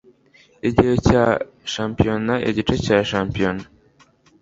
Igice cya shampiyona igice cya shampiyona